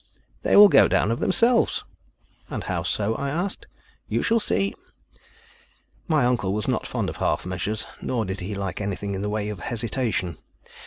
"They will go down of themselves." "And how so?" I asked. "You shall see." My uncle was not fond of half measures, nor did he like anything in the way of hesitation.